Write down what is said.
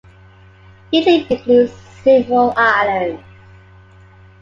Italy includes several islands.